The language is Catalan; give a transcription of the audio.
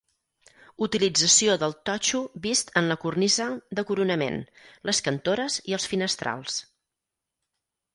Utilització del totxo vist en la cornisa de coronament, les cantores i els finestrals.